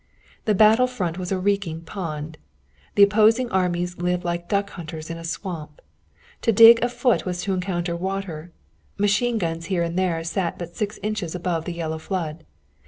The battle front was a reeking pond. The opposing armies lived like duck hunters in a swamp. To dig a foot was to encounter water. Machine guns here and there sat but six inches above the yellow flood.